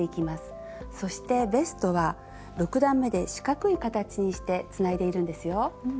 そしてベストは６段めで四角い形にしてつないでいるんですよ。